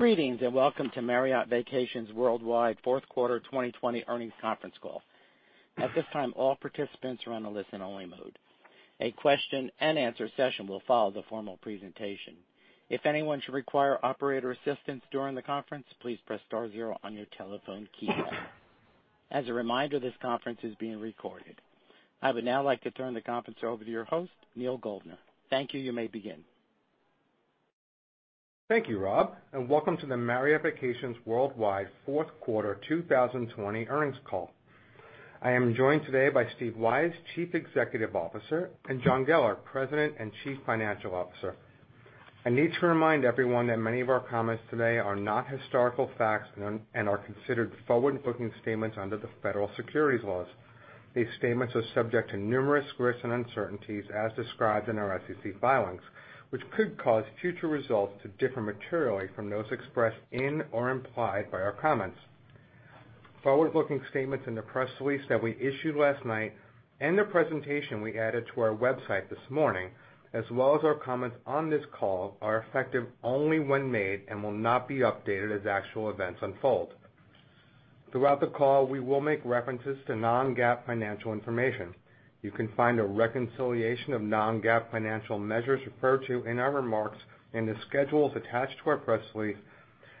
Greetings, and welcome to Marriott Vacations Worldwide fourth quarter 2020 earnings conference call. At this time, all participants are on a listen-only mode. A question and answer session will follow the formal presentation. If anyone should require operator assistance during the conference, please press star zero on your telephone keypad. As a reminder, this conference is being recorded. I would now like to turn the conference over to your host, Neal Goldner. Thank you. You may begin. Thank you, Rob, and welcome to the Marriott Vacations Worldwide fourth quarter 2020 earnings call. I am joined today by Steve Weisz, Chief Executive Officer, and John Geller, President and Chief Financial Officer. I need to remind everyone that many of our comments today are not historical facts and are considered forward-looking statements under the federal securities laws. These statements are subject to numerous risks and uncertainties as described in our SEC filings, which could cause future results to differ materially from those expressed in or implied by our comments. Forward-looking statements in the press release that we issued last night and the presentation we added to our website this morning, as well as our comments on this call, are effective only when made and will not be updated as actual events unfold. Throughout the call, we will make references to non-GAAP financial information. You can find a reconciliation of non-GAAP financial measures referred to in our remarks in the schedules attached to our press release,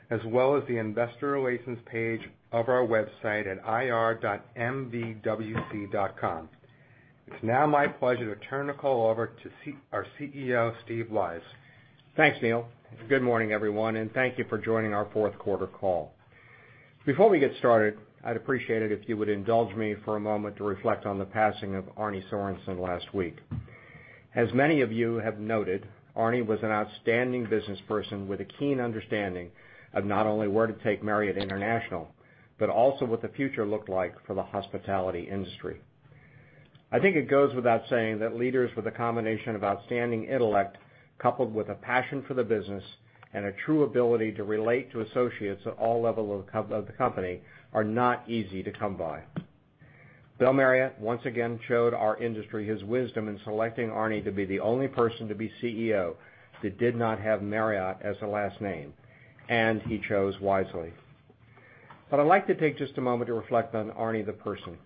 as well as the investor relations page of our website at ir.mvwc.com. It's now my pleasure to turn the call over to our CEO, Steve Weisz. Thanks, Neal. Good morning, everyone, and thank you for joining our fourth quarter call. Before we get started, I'd appreciate it if you would indulge me for a moment to reflect on the passing of Arne Sorenson last week. As many of you have noted, Arne was an outstanding businessperson with a keen understanding of not only where to take Marriott International, but also what the future looked like for the hospitality industry. I think it goes without saying that leaders with a combination of outstanding intellect coupled with a passion for the business and a true ability to relate to associates at all level of the company are not easy to come by. Bill Marriott once again showed our industry his wisdom in selecting Arne to be the only person to be CEO that did not have Marriott as a last name, and he chose wisely. I'd like to take just a moment to reflect on Arne the person.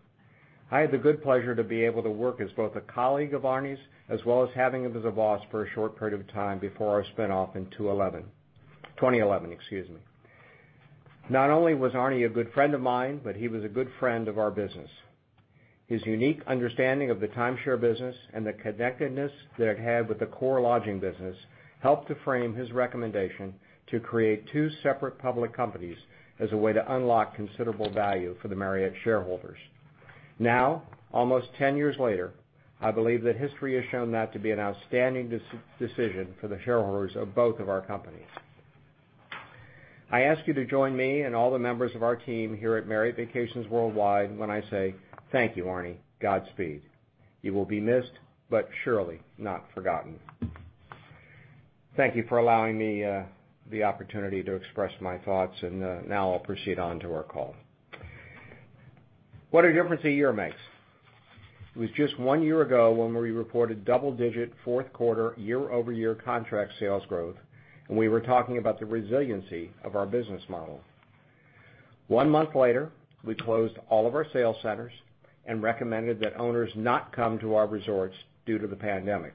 I had the good pleasure to be able to work as both a colleague of Arne's as well as having him as a boss for a short period of time before our spin-off in 2011, excuse me. Not only was Arne a good friend of mine, but he was a good friend of our business. His unique understanding of the timeshare business and the connectedness that it had with the core lodging business helped to frame his recommendation to create two separate public companies as a way to unlock considerable value for the Marriott shareholders. Now, almost 10 years later, I believe that history has shown that to be an outstanding decision for the shareholders of both of our companies. I ask you to join me and all the members of our team here at Marriott Vacations Worldwide when I say: thank you, Arne. Godspeed. You will be missed, but surely not forgotten. Thank you for allowing me the opportunity to express my thoughts, and now I'll proceed on to our call. What a difference a year makes. It was just one year ago when we reported double-digit fourth quarter year-over-year contract sales growth, and we were talking about the resiliency of our business model. One month later, we closed all of our sales centers and recommended that owners not come to our resorts due to the pandemic,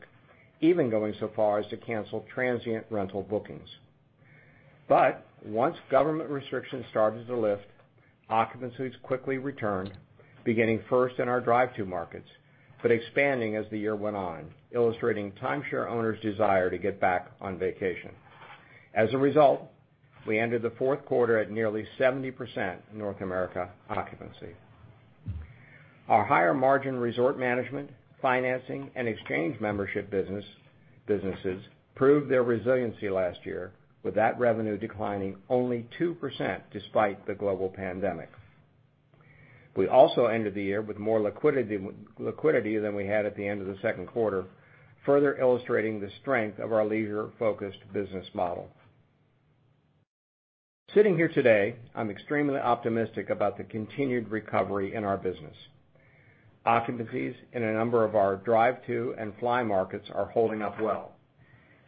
even going so far as to cancel transient rental bookings. Once government restrictions started to lift, occupancies quickly returned, beginning first in our drive-to markets, but expanding as the year went on, illustrating timeshare owners' desire to get back on vacation. As a result, we ended the fourth quarter at nearly 70% North America occupancy. Our higher-margin resort management, financing, and exchange membership businesses proved their resiliency last year, with that revenue declining only 2% despite the global pandemic. We also ended the year with more liquidity than we had at the end of the second quarter, further illustrating the strength of our leisure-focused business model. Sitting here today, I'm extremely optimistic about the continued recovery in our business. Occupancies in a number of our drive-to and fly markets are holding up well.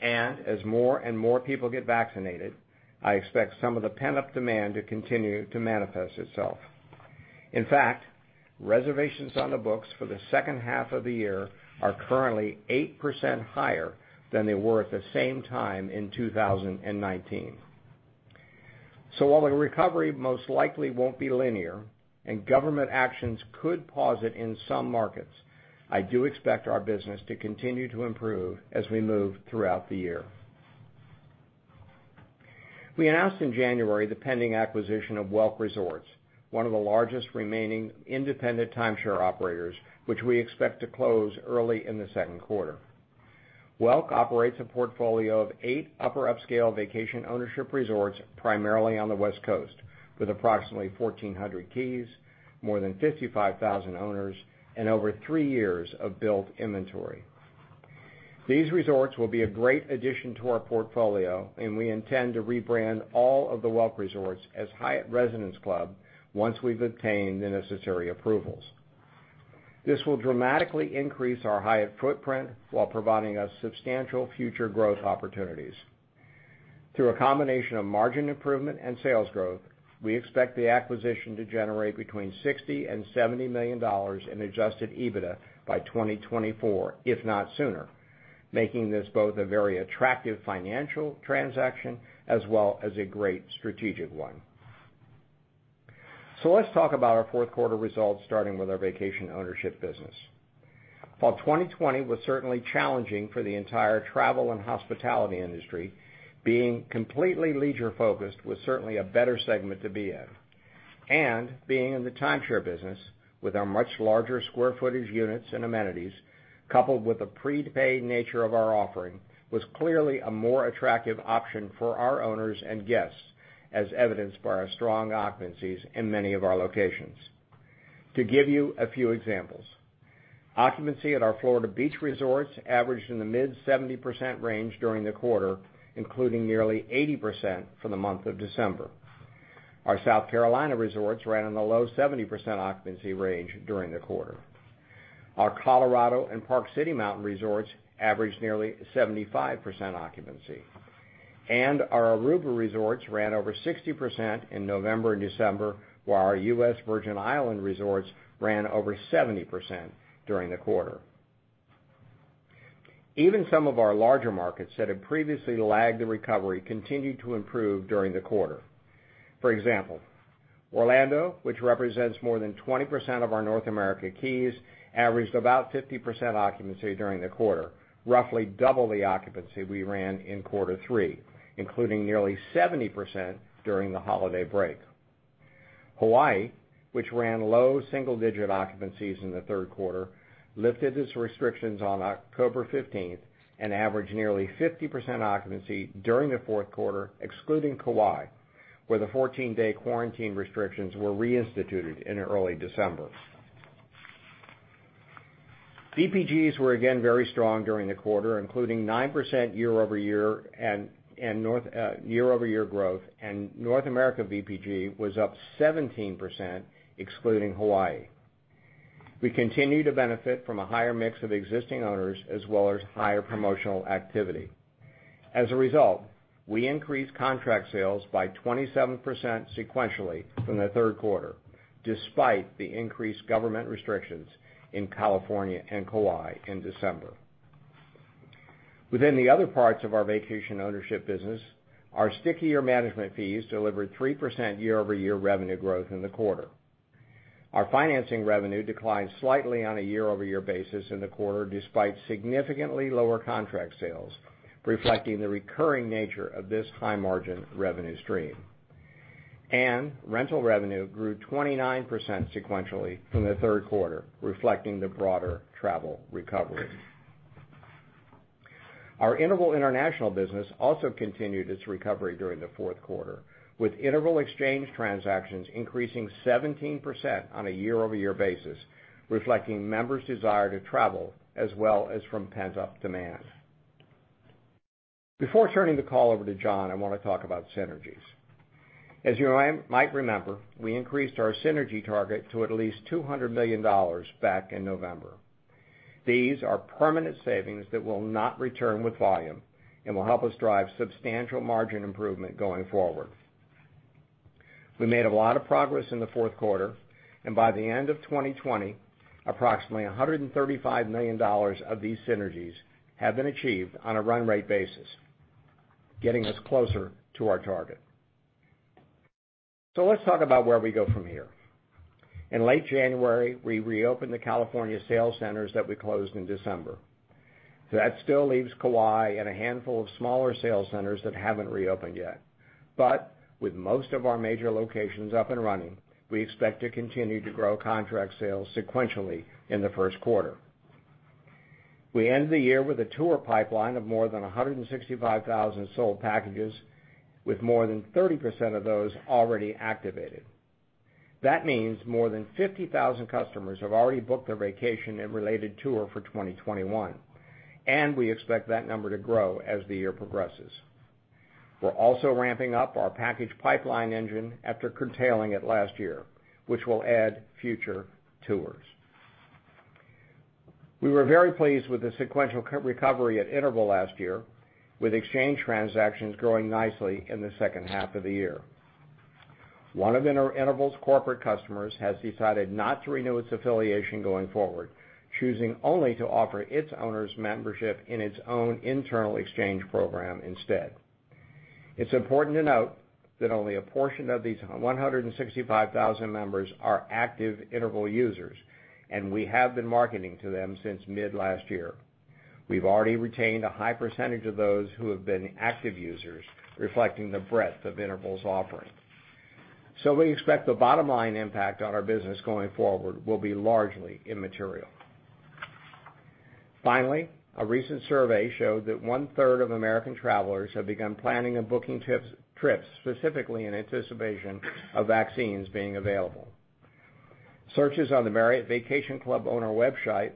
As more and more people get vaccinated, I expect some of the pent-up demand to continue to manifest itself. In fact, reservations on the books for the second half of the year are currently 8% higher than they were at the same time in 2019. While the recovery most likely won't be linear and government actions could pause it in some markets, I do expect our business to continue to improve as we move throughout the year. We announced in January the pending acquisition of Welk Resorts, one of the largest remaining independent timeshare operators, which we expect to close early in the second quarter. Welk operates a portfolio of eight upper upscale vacation ownership resorts, primarily on the West Coast, with approximately 1,400 keys, more than 55,000 owners, and over 3 years of built inventory. These resorts will be a great addition to our portfolio, and we intend to rebrand all of the Welk Resorts as Hyatt Vacation Club once we've obtained the necessary approvals. This will dramatically increase our Hyatt footprint while providing us substantial future growth opportunities. Through a combination of margin improvement and sales growth, we expect the acquisition to generate between $60 million and $70 million in adjusted EBITDA by 2024, if not sooner, making this both a very attractive financial transaction as well as a great strategic one. Let's talk about our fourth quarter results, starting with our vacation ownership business. While 2020 was certainly challenging for the entire travel and hospitality industry, being completely leisure-focused was certainly a better segment to be in. Being in the timeshare business with our much larger square footage units and amenities, coupled with the prepaid nature of our offering, was clearly a more attractive option for our owners and guests, as evidenced by our strong occupancies in many of our locations. To give you a few examples, occupancy at our Florida beach resorts averaged in the mid 70% range during the quarter, including nearly 80% for the month of December. Our South Carolina resorts ran in the low 70% occupancy range during the quarter. Our Colorado and Park City Mountain Resorts averaged nearly 75% occupancy. Our Aruba resorts ran over 60% in November and December, while our U.S. Virgin Island resorts ran over 70% during the quarter. Even some of our larger markets that had previously lagged the recovery continued to improve during the quarter. For example, Orlando, which represents more than 20% of our North America keys, averaged about 50% occupancy during the quarter, roughly double the occupancy we ran in quarter three, including nearly 70% during the holiday break. Hawaii, which ran low single-digit occupancies in the third quarter, lifted its restrictions on October 15th and averaged nearly 50% occupancy during the fourth quarter, excluding Kauai, where the 14-day quarantine restrictions were reinstituted in early December. VPGs were again very strong during the quarter, including 9% year-over-year growth, and North America VPG was up 17%, excluding Hawaii. We continue to benefit from a higher mix of existing owners as well as higher promotional activity. As a result, we increased contract sales by 27% sequentially from the third quarter, despite the increased government restrictions in California and Kauai in December. Within the other parts of our vacation ownership business, our stickier management fees delivered 3% year-over-year revenue growth in the quarter. Our financing revenue declined slightly on a year-over-year basis in the quarter, despite significantly lower contract sales, reflecting the recurring nature of this high-margin revenue stream. Rental revenue grew 29% sequentially from the third quarter, reflecting the broader travel recovery. Our Interval International business also continued its recovery during the fourth quarter, with Interval exchange transactions increasing 17% on a year-over-year basis, reflecting members' desire to travel as well as from pent-up demand. Before turning the call over to John, I want to talk about synergies. As you might remember, we increased our synergy target to at least $200 million back in November. These are permanent savings that will not return with volume and will help us drive substantial margin improvement going forward. We made a lot of progress in the fourth quarter, and by the end of 2020, approximately $135 million of these synergies have been achieved on a run-rate basis, getting us closer to our target. Let's talk about where we go from here. In late January, we reopened the California sales centers that we closed in December. That still leaves Kauai and a handful of smaller sales centers that haven't reopened yet. With most of our major locations up and running, we expect to continue to grow contract sales sequentially in the first quarter. We end the year with a tour pipeline of more than 165,000 sold packages, with more than 30% of those already activated. That means more than 50,000 customers have already booked their vacation and related tour for 2021, and we expect that number to grow as the year progresses. We're also ramping up our package pipeline engine after curtailing it last year, which will add future tours. We were very pleased with the sequential recovery at Interval last year, with exchange transactions growing nicely in the second half of the year. One of Interval's corporate customers has decided not to renew its affiliation going forward, choosing only to offer its owners membership in its own internal exchange program instead. It's important to note that only a portion of these 165,000 members are active Interval users, and we have been marketing to them since mid-last year. We've already retained a high percentage of those who have been active users, reflecting the breadth of Interval's offerings. We expect the bottom-line impact on our business going forward will be largely immaterial. Finally, a recent survey showed that 1/3 of American travelers have begun planning and booking trips, specifically in anticipation of vaccines being available. Searches on the Marriott Vacation Club owner website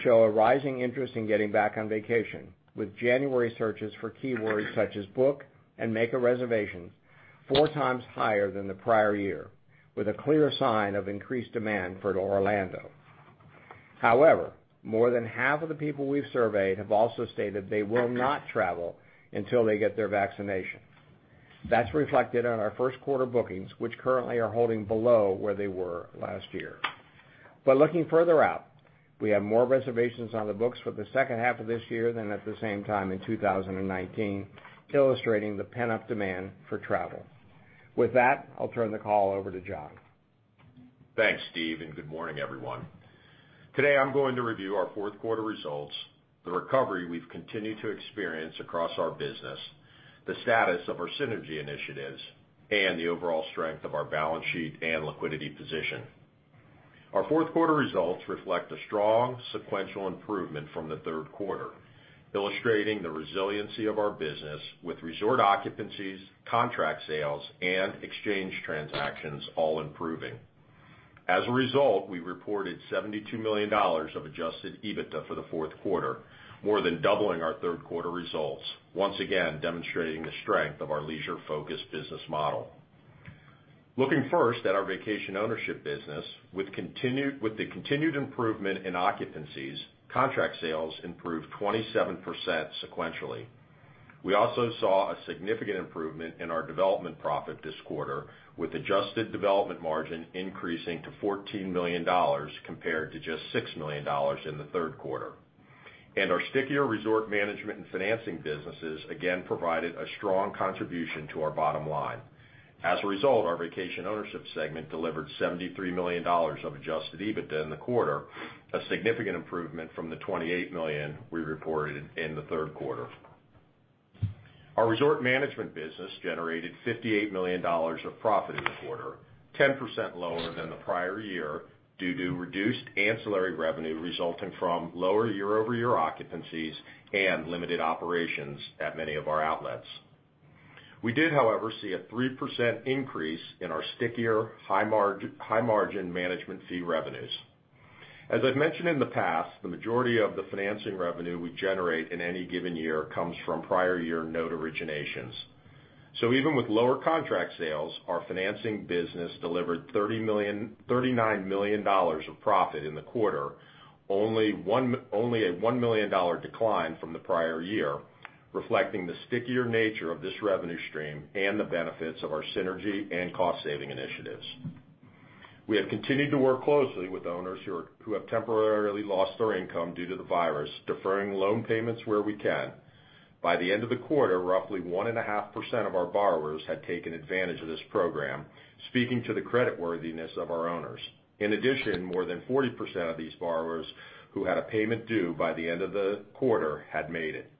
show a rising interest in getting back on vacation with January searches for keywords such as "book" and "make a reservation," four times higher than the prior year, with a clear sign of increased demand for Orlando. However, more than half of the people we've surveyed have also stated they will not travel until they get their vaccination. That's reflected in our first-quarter bookings, which currently are holding below where they were last year. Looking further out, we have more reservations on the books for the second half of this year than at the same time in 2019, illustrating the pent-up demand for travel. With that, I'll turn the call over to John. Thanks, Steve, and good morning, everyone. Today, I'm going to review our fourth quarter results, the recovery we've continued to experience across our business, the status of our synergy initiatives, and the overall strength of our balance sheet and liquidity position. Our fourth quarter results reflect a strong sequential improvement from the third quarter, illustrating the resiliency of our business with resort occupancies, contract sales, and exchange transactions all improving. As a result, we reported $72 million of adjusted EBITDA for the fourth quarter, more than doubling our third-quarter results, once again demonstrating the strength of our leisure-focused business model. Looking first at our vacation ownership business, with the continued improvement in occupancies, contract sales improved 27% sequentially. We also saw a significant improvement in our development profit this quarter, with adjusted development margin increasing to $14 million compared to just $6 million in the third quarter. Our stickier resort management and financing businesses again provided a strong contribution to our bottom line. As a result, our vacation ownership segment delivered $73 million of adjusted EBITDA in the quarter, a significant improvement from the $28 million we reported in the third quarter. Our resort management business generated $58 million of profit in the quarter, 10% lower than the prior year due to reduced ancillary revenue resulting from lower year-over-year occupancies and limited operations at many of our outlets. We did, however, see a 3% increase in our stickier high margin management fee revenues. As I've mentioned in the past, the majority of the financing revenue we generate in any given year comes from prior year note originations. Even with lower contract sales, our financing business delivered $39 million of profit in the quarter, only a $1 million decline from the prior year, reflecting the stickier nature of this revenue stream and the benefits of our synergy and cost-saving initiatives. We have continued to work closely with owners who have temporarily lost their income due to the virus, deferring loan payments where we can. By the end of the quarter, roughly 1.5% of our borrowers had taken advantage of this program, speaking to the creditworthiness of our owners. In addition, more than 40% of these borrowers who had a payment due by the end of the quarter had made it.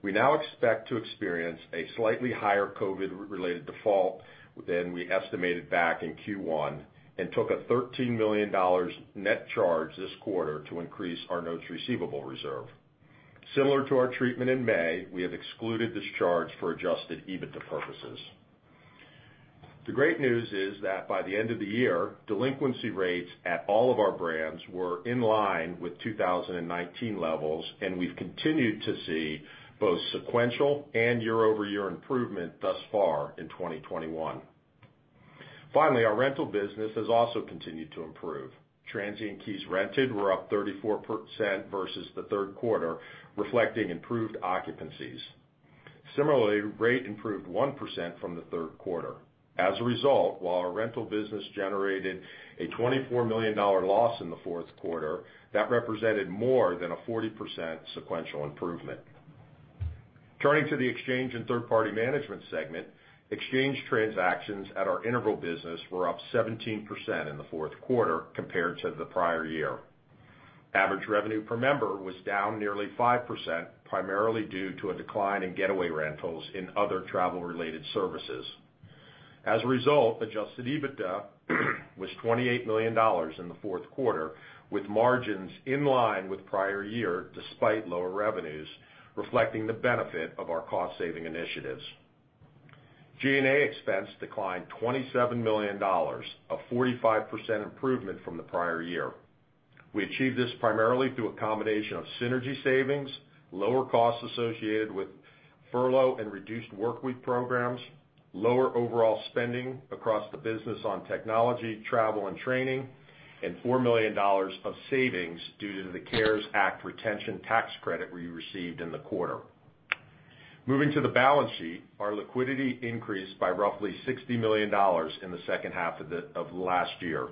We now expect to experience a slightly higher COVID-related default than we estimated back in Q1 and took a $13 million net charge this quarter to increase our notes receivable reserve. Similar to our treatment in May, we have excluded this charge for adjusted EBITDA purposes. The great news is that by the end of the year, delinquency rates at all of our brands were in line with 2019 levels, and we've continued to see both sequential and year-over-year improvement thus far in 2021. Finally, our rental business has also continued to improve. Transient keys rented were up 34% versus the third quarter, reflecting improved occupancies. Similarly, rate improved 1% from the third quarter. As a result, while our rental business generated a $24 million loss in the fourth quarter, that represented more than a 40% sequential improvement. Turning to the exchange and third-party management segment, exchange transactions at our Interval business were up 17% in the fourth quarter compared to the prior year. Average revenue per member was down nearly 5%, primarily due to a decline in Getaway rentals in other travel-related services. As a result, adjusted EBITDA was $28 million in the fourth quarter, with margins in line with prior year despite lower revenues, reflecting the benefit of our cost-saving initiatives. G&A expense declined $27 million, a 45% improvement from the prior year. We achieved this primarily through a combination of synergy savings, lower costs associated with furlough and reduced workweek programs, lower overall spending across the business on technology, travel, and training, and $4 million of savings due to the CARES Act retention tax credit we received in the quarter. Moving to the balance sheet, our liquidity increased by roughly $60 million in the second half of last year.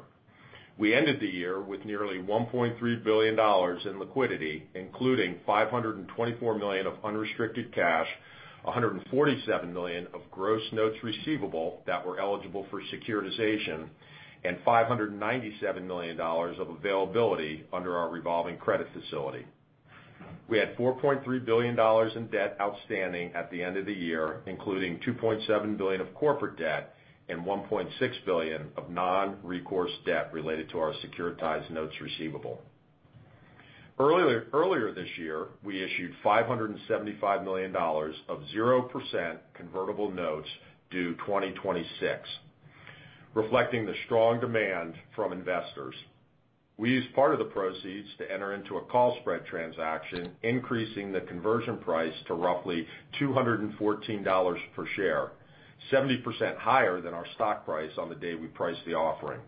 We ended the year with nearly $1.3 billion in liquidity, including $524 million of unrestricted cash, $147 million of gross notes receivable that were eligible for securitization, and $597 million of availability under our revolving credit facility. We had $4.3 billion in debt outstanding at the end of the year, including $2.7 billion of corporate debt and $1.6 billion of non-recourse debt related to our securitized notes receivable. Earlier this year, we issued $575 million of 0% convertible notes due 2026. Reflecting the strong demand from investors, we used part of the proceeds to enter into a call spread transaction, increasing the conversion price to roughly $214 per share, 70% higher than our stock price on the day we priced the offering.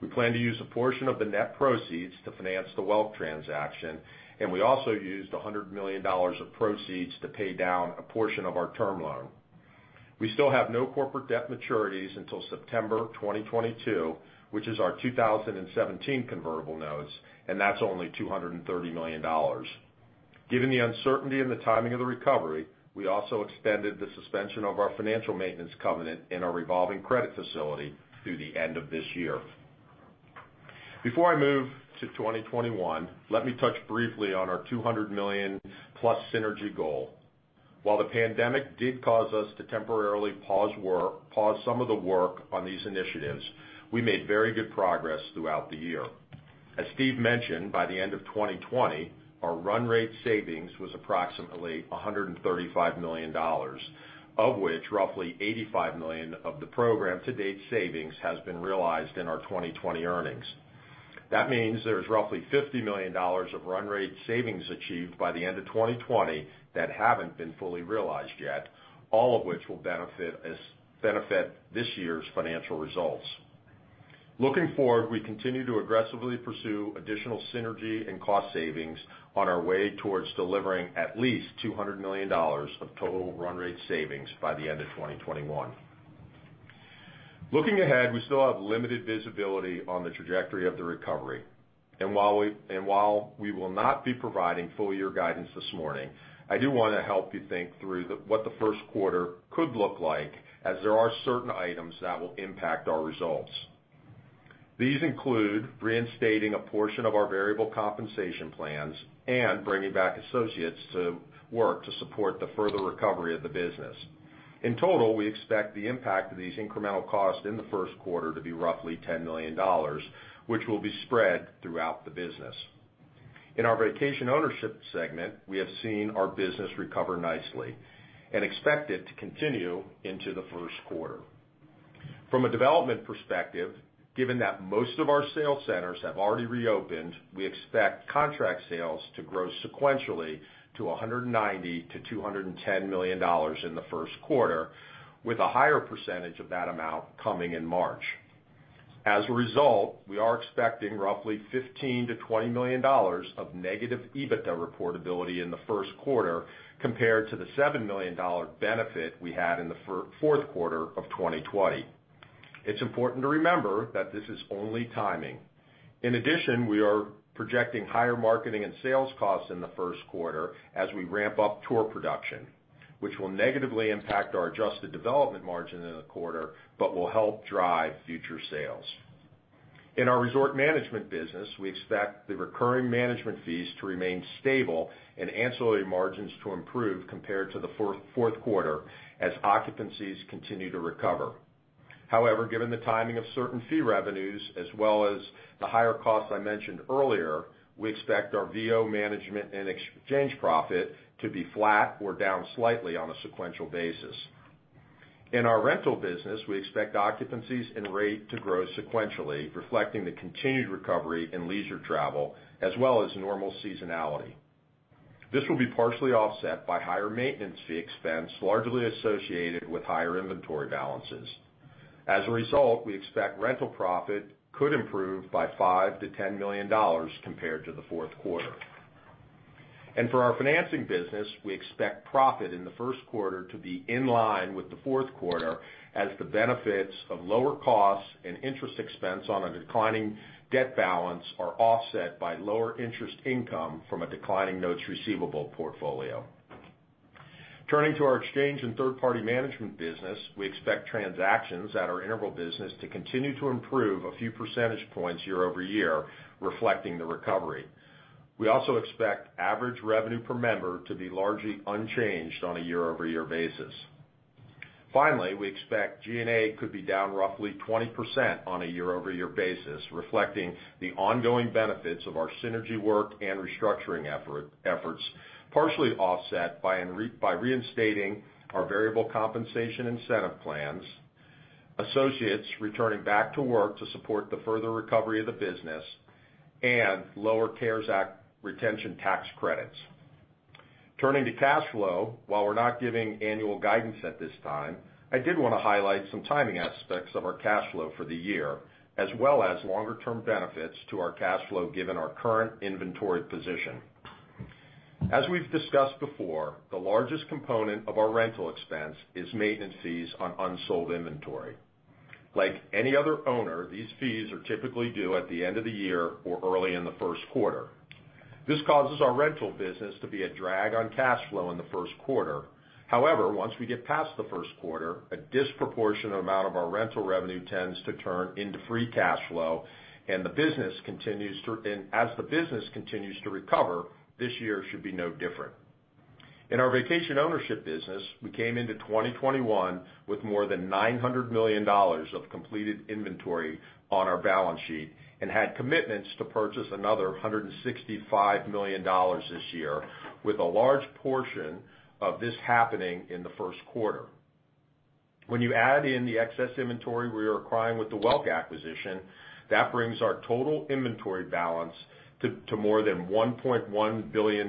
We plan to use a portion of the net proceeds to finance the Welk transaction, and we also used $100 million of proceeds to pay down a portion of our term loan. We still have no corporate debt maturities until September 2022, which is our 2017 convertible notes, and that's only $230 million. Given the uncertainty in the timing of the recovery, we also extended the suspension of our financial maintenance covenant in our revolving credit facility through the end of this year. Before I move to 2021, let me touch briefly on our $200 million plus synergy goal. While the pandemic did cause us to temporarily pause some of the work on these initiatives, we made very good progress throughout the year. As Steve mentioned, by the end of 2020, our run rate savings was approximately $135 million, of which roughly $85 million of the program to date savings has been realized in our 2020 earnings. That means there's roughly $50 million of run rate savings achieved by the end of 2020 that haven't been fully realized yet, all of which will benefit this year's financial results. Looking forward, we continue to aggressively pursue additional synergy and cost savings on our way towards delivering at least $200 million of total run rate savings by the end of 2021. While we will not be providing full year guidance this morning, I do want to help you think through what the first quarter could look like, as there are certain items that will impact our results. These include reinstating a portion of our variable compensation plans and bringing back associates to work to support the further recovery of the business. In total, we expect the impact of these incremental costs in the first quarter to be roughly $10 million, which will be spread throughout the business. In our vacation ownership segment, we have seen our business recover nicely and expect it to continue into the first quarter. From a development perspective, given that most of our sales centers have already reopened, we expect contract sales to grow sequentially to $190 million-$210 million in the first quarter, with a higher percentage of that amount coming in March. As a result, we are expecting roughly $15 million-$20 million of negative EBITDA reportability in the first quarter compared to the $7 million benefit we had in the fourth quarter of 2020. It's important to remember that this is only timing. In addition, we are projecting higher marketing and sales costs in the first quarter as we ramp up tour production, which will negatively impact our adjusted development margin in the quarter but will help drive future sales. In our resort management business, we expect the recurring management fees to remain stable and ancillary margins to improve compared to the fourth quarter as occupancies continue to recover. However, given the timing of certain fee revenues as well as the higher costs I mentioned earlier, we expect our VO management and exchange profit to be flat or down slightly on a sequential basis. In our rental business, we expect occupancies and rate to grow sequentially, reflecting the continued recovery in leisure travel as well as normal seasonality. This will be partially offset by higher maintenance fee expense, largely associated with higher inventory balances. As a result, we expect rental profit could improve by $5 million-$10 million compared to the fourth quarter. For our financing business, we expect profit in the first quarter to be in line with the fourth quarter as the benefits of lower costs and interest expense on a declining debt balance are offset by lower interest income from a declining notes receivable portfolio. Turning to our exchange and third-party management business, we expect transactions at our Interval business to continue to improve a few percentage points year-over-year, reflecting the recovery. We also expect average revenue per member to be largely unchanged on a year-over-year basis. Finally, we expect G&A could be down roughly 20% on a year-over-year basis, reflecting the ongoing benefits of our synergy work and restructuring efforts, partially offset by reinstating our variable compensation incentive plans, associates returning back to work to support the further recovery of the business, and lower CARES Act retention tax credits. Turning to cash flow, while we're not giving annual guidance at this time, I did want to highlight some timing aspects of our cash flow for the year, as well as longer-term benefits to our cash flow given our current inventory position. As we've discussed before, the largest component of our rental expense is maintenance fees on unsold inventory. Like any other owner, these fees are typically due at the end of the year or early in the first quarter. This causes our rental business to be a drag on cash flow in the first quarter. However, once we get past the first quarter, a disproportionate amount of our rental revenue tends to turn into free cash flow, and as the business continues to recover, this year should be no different. In our vacation ownership business, we came into 2021 with more than $900 million of completed inventory on our balance sheet and had commitments to purchase another $165 million this year, with a large portion of this happening in the first quarter. When you add in the excess inventory we are acquiring with the Welk acquisition, that brings our total inventory balance to more than $1.1 billion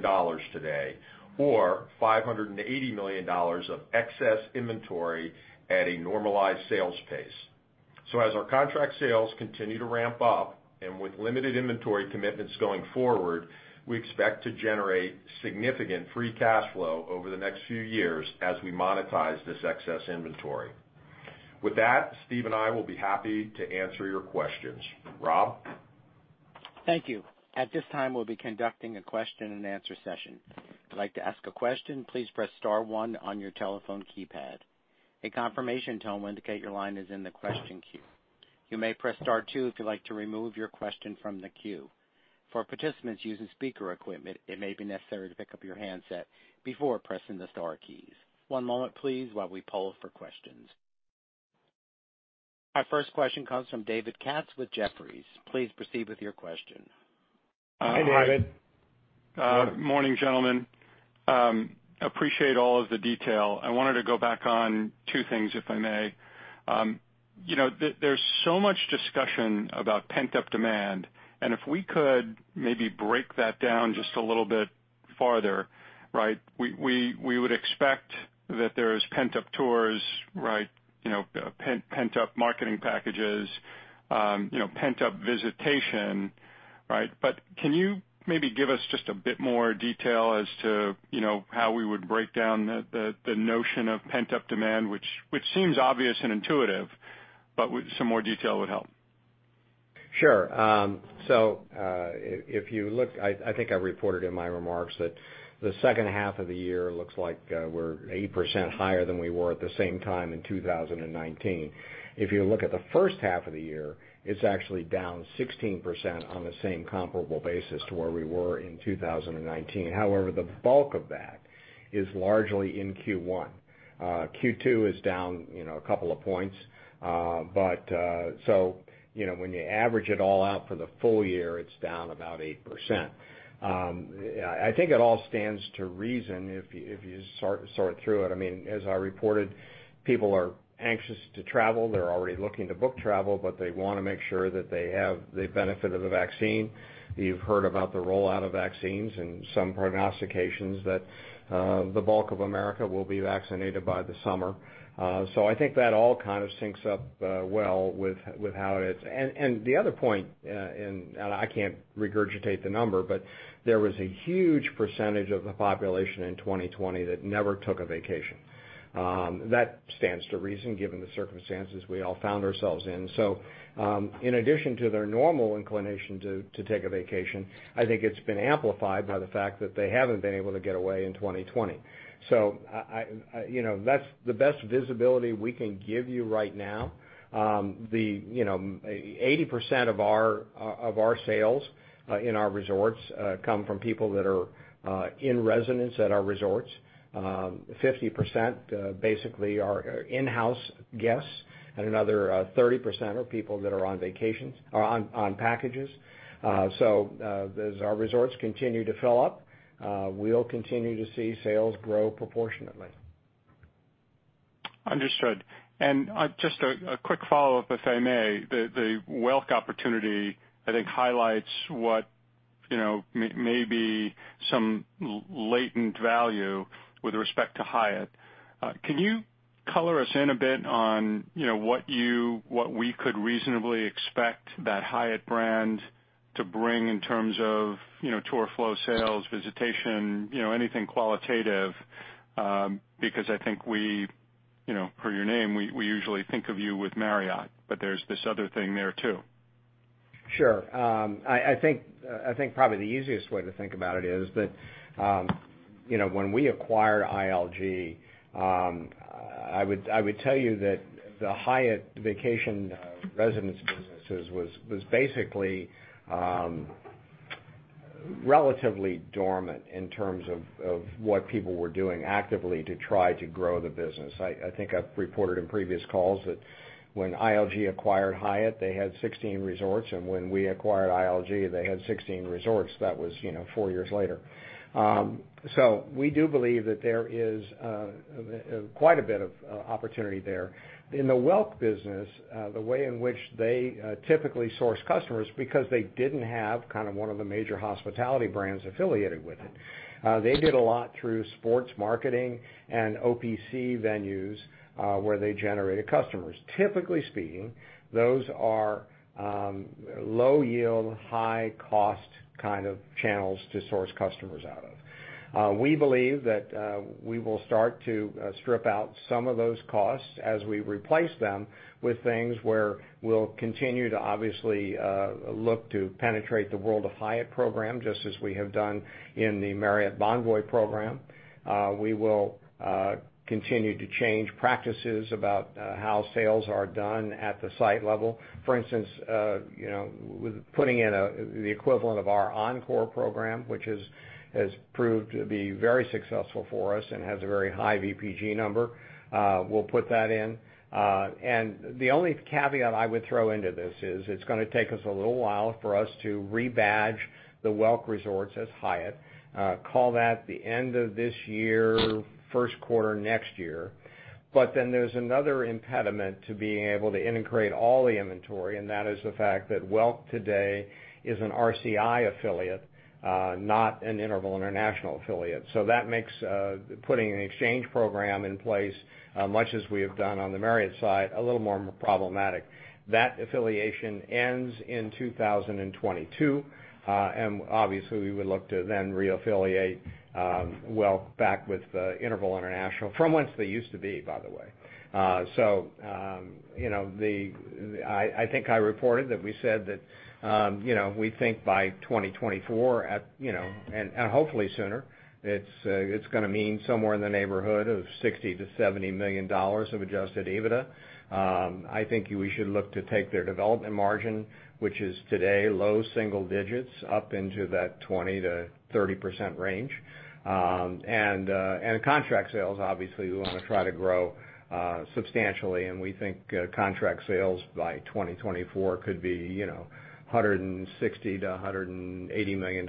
today, or $580 million of excess inventory at a normalized sales pace. As our contract sales continue to ramp up, and with limited inventory commitments going forward, we expect to generate significant free cash flow over the next few years as we monetize this excess inventory. With that, Steve and I will be happy to answer your questions. Rob? Thank you. At this time, we'll be conducting a question and answer session. If you'd like to ask a question, please press *1 on your telephone keypad. A confirmation tone will indicate your line is in the question queue. You may press *2 if you'd like to remove your question from the queue. For participants using speaker equipment, it may be necessary to pick up your handset before pressing the star keys. One moment please while we poll for questions. Our first question comes from David Katz with Jefferies. Please proceed with your question. Hey, David. Morning, gentlemen. Appreciate all of the detail. I wanted to go back on two things, if I may. There's so much discussion about pent-up demand, and if we could maybe break that down just a little bit farther. We would expect that there's pent-up tours, pent-up marketing packages, pent-up visitation. Can you maybe give us just a bit more detail as to how we would break down the notion of pent-up demand, which seems obvious and intuitive, but some more detail would help. Sure. If you look, I think I reported in my remarks that the second half of the year looks like we're 8% higher than we were at the same time in 2019. If you look at the first half of the year, it's actually down 16% on the same comparable basis to where we were in 2019. The bulk of that is largely in Q1. Q2 is down a couple of points. When you average it all out for the full year, it's down about 8%. I think it all stands to reason if you sort through it. As I reported, people are anxious to travel. They're already looking to book travel, but they want to make sure that they have the benefit of the vaccine. You've heard about the rollout of vaccines and some prognostications that the bulk of America will be vaccinated by the summer. The other point, and I can't regurgitate the number, but there was a huge percentage of the population in 2020 that never took a vacation. That stands to reason, given the circumstances we all found ourselves in. In addition to their normal inclination to take a vacation, I think it's been amplified by the fact that they haven't been able to get away in 2020. That's the best visibility we can give you right now. 80% of our sales in our resorts come from people that are in residence at our resorts. 50% basically are in-house guests, and another 30% are people that are on packages. As our resorts continue to fill up, we'll continue to see sales grow proportionately. Understood. Just a quick follow-up, if I may. The Welk opportunity, I think, highlights what may be some latent value with respect to Hyatt. Can you color us in a bit on what we could reasonably expect that Hyatt brand to bring in terms of tour flow sales, visitation, anything qualitative? I think for your name, we usually think of you with Marriott, but there's this other thing there, too. Sure. I think probably the easiest way to think about it is that when we acquired ILG, I would tell you that the Hyatt vacation residence businesses was basically relatively dormant in terms of what people were doing actively to try to grow the business. I think I've reported in previous calls that when ILG acquired Hyatt, they had 16 resorts, and when we acquired ILG, they had 16 resorts. That was four years later. We do believe that there is quite a bit of opportunity there. In the Welk business, the way in which they typically source customers, because they didn't have one of the major hospitality brands affiliated with it, they did a lot through sports marketing and OPC venues where they generated customers. Typically speaking, those are low yield, high cost kind of channels to source customers out of. We believe that we will start to strip out some of those costs as we replace them with things where we'll continue to obviously look to penetrate the World of Hyatt program, just as we have done in the Marriott Bonvoy program. We will continue to change practices about how sales are done at the site level. For instance, putting in the equivalent of our Encore program, which has proved to be very successful for us and has a very high VPG number. We'll put that in. The only caveat I would throw into this is it's going to take us a little while for us to rebadge the Welk Resorts as Hyatt. Call that the end of this year, first quarter next year. There's another impediment to being able to integrate all the inventory, and that is the fact that Welk today is an RCI affiliate, not an Interval International affiliate. That makes putting an exchange program in place, much as we have done on the Marriott side, a little more problematic. That affiliation ends in 2022. We would look to then re-affiliate Welk back with Interval International, from once they used to be, by the way. I think I reported that we said that we think by 2024, and hopefully sooner, it's going to mean somewhere in the neighborhood of $60 million-$70 million of adjusted EBITDA. I think we should look to take their development margin, which is today low single digits, up into that 20%-30% range. Contract sales, obviously, we want to try to grow substantially, and we think contract sales by 2024 could be $160 million-$180 million,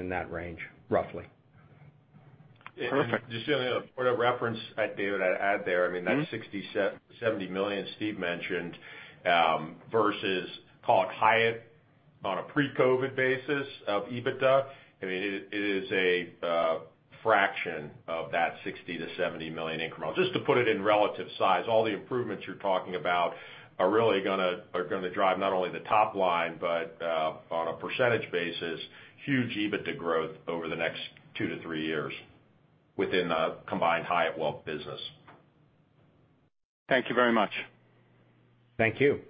in that range, roughly. Perfect. Just a point of reference, David, I'd add there, that $60 million, $70 million Steve mentioned versus call it Hyatt on a pre-COVID basis of EBITDA, it is a fraction of that $60 million-$70 million increment. Just to put it in relative size, all the improvements you're talking about are really going to drive not only the top line, but on a percentage basis, huge EBITDA growth over the next two to three years within a combined Hyatt-Welk business. Thank you very much. Thank you.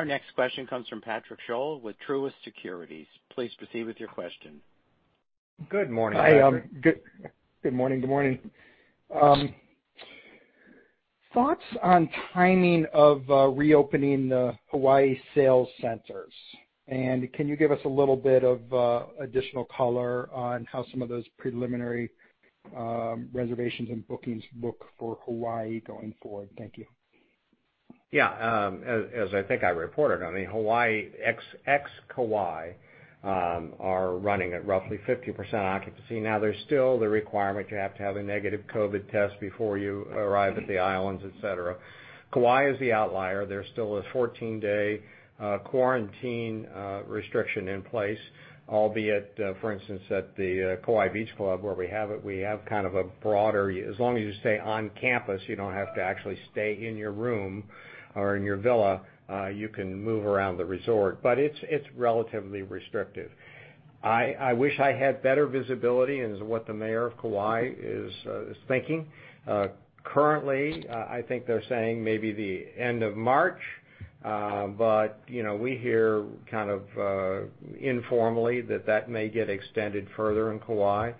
Our next question comes from Patrick Scholes with Truist Securities. Please proceed with your question. Good morning, Patrick. Hi. Good morning. Thoughts on timing of reopening the Hawaii sales centers, and can you give us a little bit of additional color on how some of those preliminary reservations and bookings look for Hawaii going forward? Thank you. As I think I reported, Hawaii ex Kauai are running at roughly 50% occupancy. There's still the requirement you have to have a negative COVID test before you arrive at the islands, et cetera. Kauai is the outlier. There's still a 14-day quarantine restriction in place, albeit, for instance, at the Kauai Beach Club, where we have kind of a broader, as long as you stay on campus, you don't have to actually stay in your room or in your villa. You can move around the resort. It's relatively restrictive. I wish I had better visibility into what the mayor of Kauai is thinking. Currently, I think they're saying maybe the end of March. We hear kind of informally that that may get extended further in Kauai.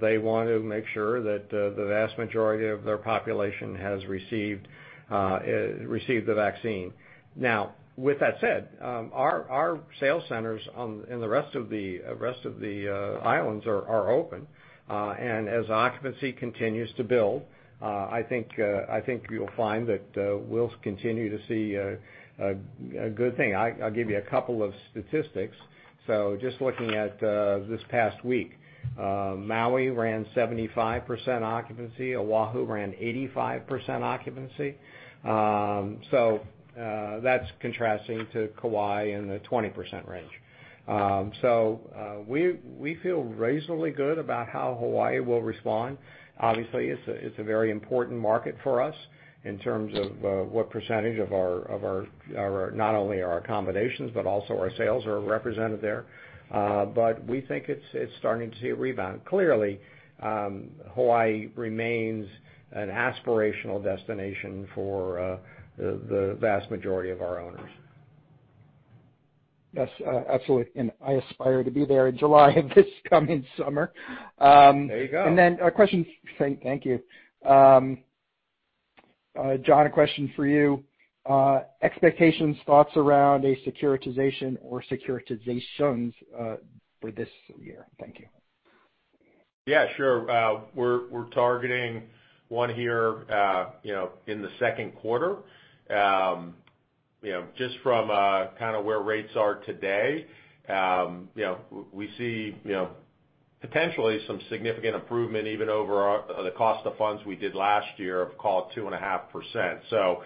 They want to make sure that the vast majority of their population has received the vaccine. Now, with that said, our sales centers in the rest of the islands are open. As occupancy continues to build, I think you'll find that we'll continue to see a good thing. I'll give you a couple of statistics. Just looking at this past week, Maui ran 75% occupancy, Oahu ran 85% occupancy. That's contrasting to Kauai in the 20% range. We feel reasonably good about how Hawaii will respond. Obviously, it's a very important market for us in terms of what percentage of not only our accommodations, but also our sales are represented there. We think it's starting to see a rebound. Clearly, Hawaii remains an aspirational destination for the vast majority of our owners. Yes, absolutely. I aspire to be there in July of this coming summer. There you go. Thank you. John, a question for you. Expectations, thoughts around a securitization or securitizations for this year. Thank you. Yeah, sure. We're targeting one here in the second quarter. Just from where rates are today, we see potentially some significant improvement even over the cost of funds we did last year of call it 2.5%.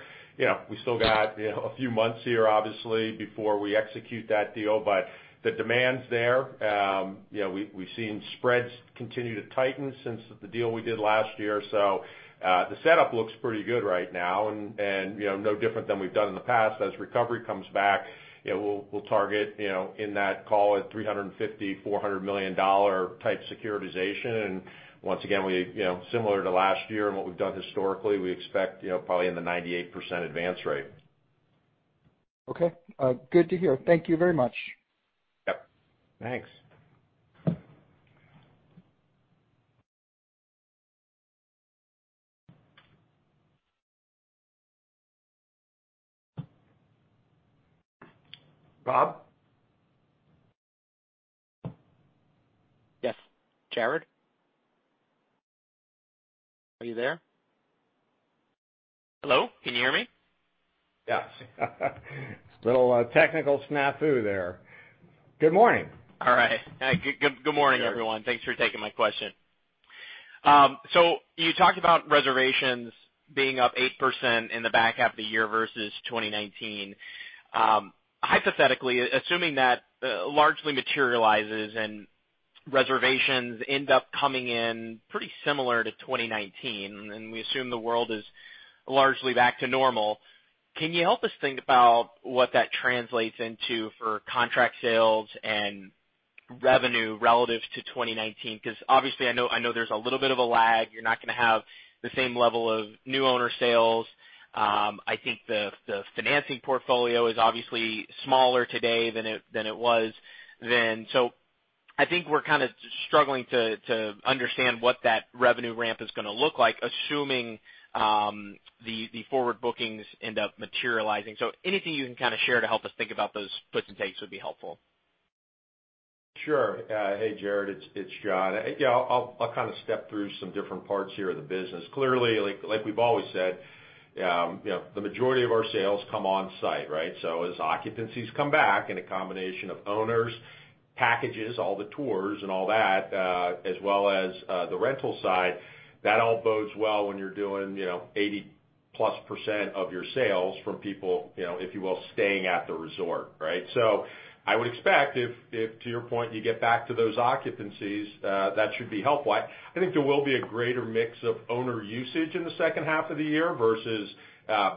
We still got a few months here, obviously, before we execute that deal, but the demand's there. We've seen spreads continue to tighten since the deal we did last year. The setup looks pretty good right now and no different than we've done in the past. As recovery comes back, we'll target in that call it $350 million-$400 million-type securitization. Once again, similar to last year and what we've done historically, we expect probably in the 98% advance rate. Okay. Good to hear. Thank you very much. Yep. Thanks. Rob? Yes. Jared? Are you there? Hello? Can you hear me? Yes. Little technical snafu there. Good morning. All right. Good morning, everyone. Thanks for taking my question. You talked about reservations being up 8% in the back half of the year versus 2019. Hypothetically, assuming that largely materializes and reservations end up coming in pretty similar to 2019, and we assume the world is largely back to normal, can you help us think about what that translates into for contract sales and revenue relative to 2019? Obviously, I know there's a little bit of a lag. You're not going to have the same level of new owner sales. I think the financing portfolio is obviously smaller today than it was then. I think we're kind of struggling to understand what that revenue ramp is going to look like, assuming the forward bookings end up materializing. Anything you can kind of share to help us think about those puts and takes would be helpful. Sure. Hey, Jared, it's John. Yeah, I'll kind of step through some different parts here of the business. Clearly, like we've always said, the majority of our sales come on-site, right? As occupancies come back in a combination of owners, packages, all the tours and all that, as well as the rental side, that all bodes well when you're doing 80-plus% of your sales from people, if you will, staying at the resort, right? I would expect if, to your point, you get back to those occupancies, that should be helpful. I think there will be a greater mix of owner usage in the second half of the year versus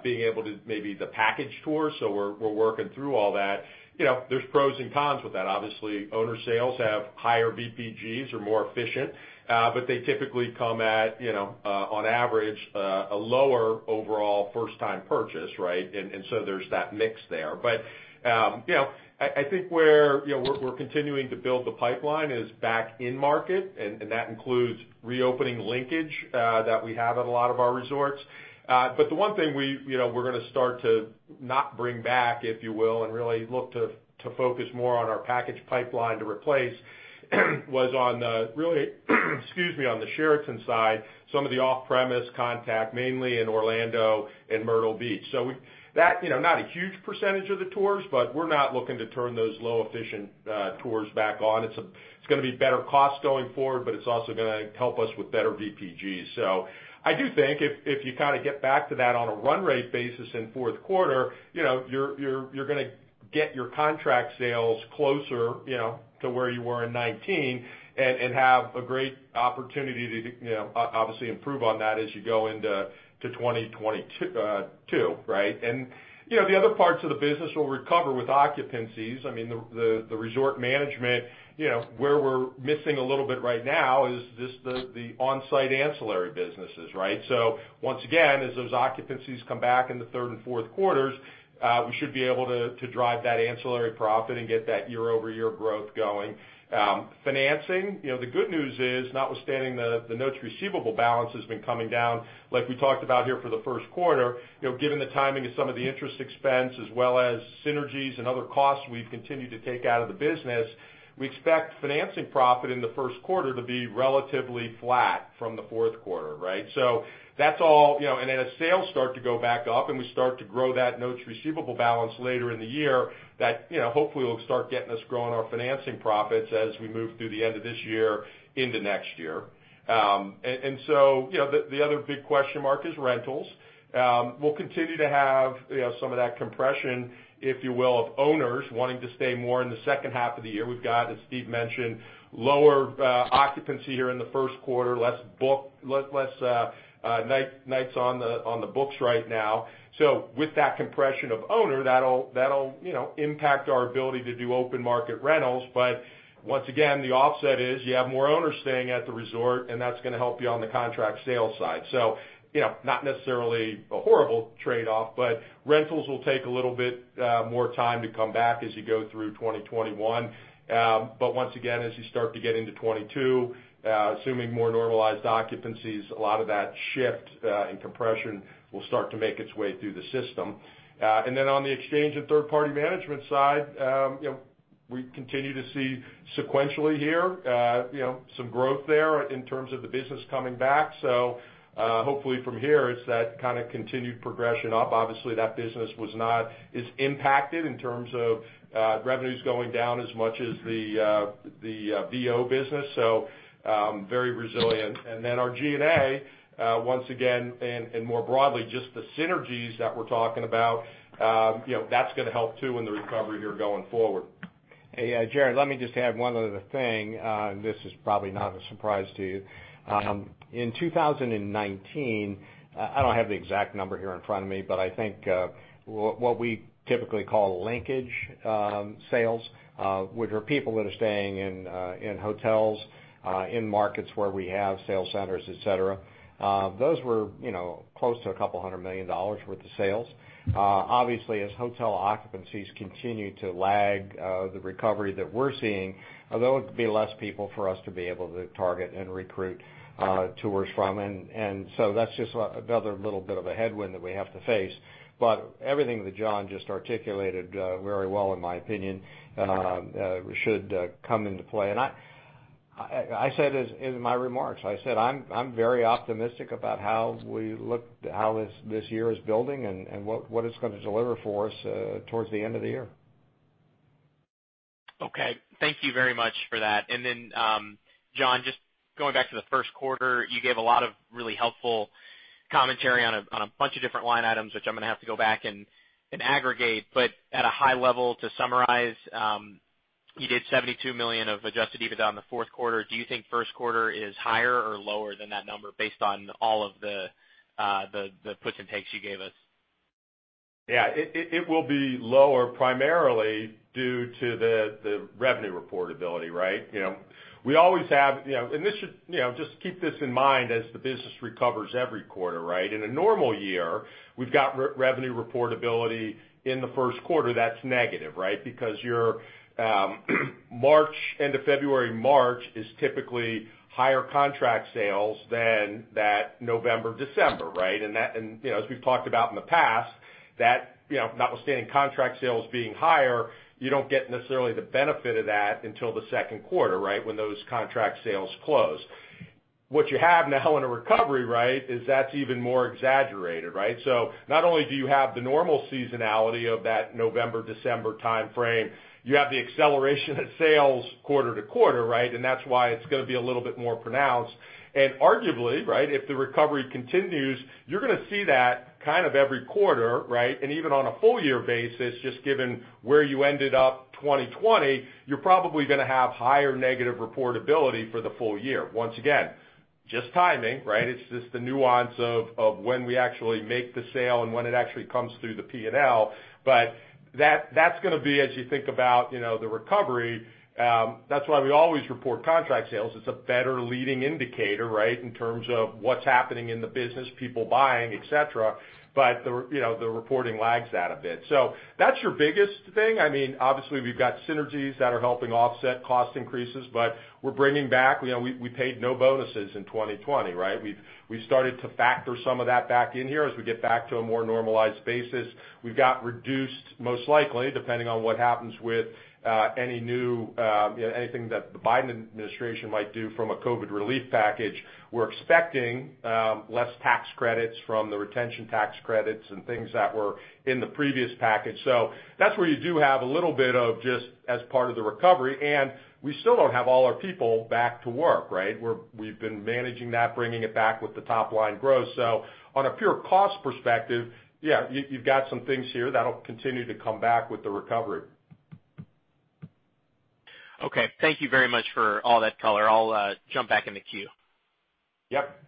being able to maybe the package tours. We're working through all that. There's pros and cons with that. Obviously, owner sales have higher VPGs or more efficient, but they typically come at, on average, a lower overall first-time purchase, right? There's that mix there. I think where we're continuing to build the pipeline is back in market, and that includes reopening linkage that we have at a lot of our resorts. The one thing we're going to start to not bring back, if you will, and really look to focus more on our package pipeline to replace was on the Sheraton side, some of the off-premise contact, mainly in Orlando and Myrtle Beach. Not a huge percentage of the tours, but we're not looking to turn those low efficient tours back on. It's going to be better cost going forward, but it's also going to help us with better VPGs. I do think if you kind of get back to that on a run rate basis in fourth quarter, you're going to get your contract sales closer to where you were in 2019 and have a great opportunity to obviously improve on that as you go into 2022, right? The other parts of the business will recover with occupancies. I mean, the resort management, where we're missing a little bit right now is the on-site ancillary businesses, right? Once again, as those occupancies come back in the third and fourth quarters, we should be able to drive that ancillary profit and get that year-over-year growth going. Financing, the good news is, notwithstanding the notes receivable balance has been coming down, like we talked about here for the first quarter, given the timing of some of the interest expense as well as synergies and other costs we've continued to take out of the business, we expect financing profit in the first quarter to be relatively flat from the fourth quarter, right? Then as sales start to go back up and we start to grow that notes receivable balance later in the year, that hopefully will start getting us growing our financing profits as we move through the end of this year into next year. The other big question mark is rentals. We'll continue to have some of that compression, if you will, of owners wanting to stay more in the second half of the year. We've got, as Steve mentioned, lower occupancy here in the first quarter, less nights on the books right now. With that compression of owner, that'll impact our ability to do open market rentals. Once again, the offset is you have more owners staying at the resort, and that's going to help you on the contract sales side. Not necessarily a horrible trade-off, but rentals will take a little bit more time to come back as you go through 2021. Once again, as you start to get into 2022, assuming more normalized occupancies, a lot of that shift and compression will start to make its way through the system. On the exchange and third-party management side, we continue to see sequentially here some growth there in terms of the business coming back. Hopefully from here, it's that kind of continued progression up. Obviously, that business is impacted in terms of revenues going down as much as the VO business, very resilient. Our G&A, once again, and more broadly, just the synergies that we're talking about, that's going to help too in the recovery here going forward. Hey, Jared, let me just add one other thing. This is probably not a surprise to you. In 2019, I don't have the exact number here in front of me, I think what we typically call linkage sales, which are people that are staying in hotels, in markets where we have sales centers, et cetera, those were close to $200 million worth of sales. As hotel occupancies continue to lag the recovery that we're seeing, there will be less people for us to be able to target and recruit tours from. That's just another little bit of a headwind that we have to face. Everything that John just articulated very well, in my opinion, should come into play. I said this in my remarks, I said I'm very optimistic about how this year is building and what it's going to deliver for us towards the end of the year. Okay. Thank you very much for that. John, just going back to the first quarter, you gave a lot of really helpful commentary on a bunch of different line items, which I am going to have to go back and aggregate. At a high level to summarize, you did $72 million of adjusted EBITDA on the fourth quarter. Do you think first quarter is higher or lower than that number based on all of the puts and takes you gave us? Yeah. It will be lower primarily due to the revenue reportability, right? Just keep this in mind, as the business recovers every quarter, right? In a normal year, we've got revenue reportability in the first quarter that's negative, right? Because end of February, March, is typically higher contract sales than that November, December, right? As we've talked about in the past, notwithstanding contract sales being higher, you don't get necessarily the benefit of that until the second quarter, right? When those contract sales close. What you have now in a recovery, right, is that's even more exaggerated, right? Not only do you have the normal seasonality of that November, December timeframe, you have the acceleration of sales quarter to quarter, right? That's why it's going to be a little bit more pronounced. Arguably, right, if the recovery continues, you're going to see that kind of every quarter, right? Even on a full year basis, just given where you ended up 2020, you're probably going to have higher negative reportability for the full year. Once again, just timing, right? It's just the nuance of when we actually make the sale and when it actually comes through the P&L. That's going to be as you think about the recovery. That's why we always report contract sales. It's a better leading indicator, right, in terms of what's happening in the business, people buying, et cetera. The reporting lags that a bit. That's your biggest thing. Obviously, we've got synergies that are helping offset cost increases, we paid no bonuses in 2020, right? We started to factor some of that back in here as we get back to a more normalized basis. We've got reduced, most likely, depending on what happens with anything that the Biden administration might do from a COVID relief package. We're expecting less tax credits from the retention tax credits and things that were in the previous package. That's where you do have a little bit of just as part of the recovery, and we still don't have all our people back to work, right? We've been managing that, bringing it back with the top-line growth. On a pure cost perspective, yeah, you've got some things here that'll continue to come back with the recovery. Okay. Thank you very much for all that color. I'll jump back in the queue. Yep.